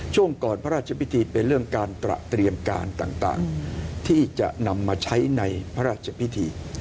ช่วงก่อนพระราชพิธีเป็นเรื่องการตระเตรียมการต่างที่จะนำมาใช้ในพระราชพิธี